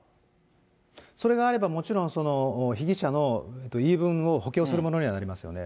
それがあればもちろん、その被疑者の言い分を補強するものにはなりますよね。